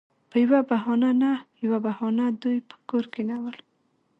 پـه يـوه بهـانـه نـه يـوه بهـانـه دوي پـه کـور کېـنول.